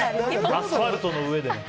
アスファルトの上でね。